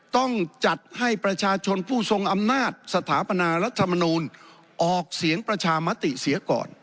ต้องจัดให้ประชาชนผู้ทรงอำนาจสถาปนารัฐมนูลออกเสียงประชามติเสียก่อน